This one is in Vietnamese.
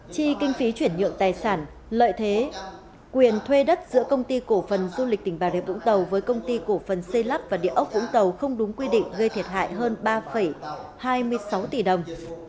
chi kinh phí chuyển nhượng tài sản lợi thế quyền thuê đất giữa công ty cổ phần du lịch tỉnh bà rịa vũng tàu với công ty cổ phần xây lắp và địa ốc vũng tàu không đúng quy định gây thiệt hại hơn ba hai mươi sáu tỷ đồng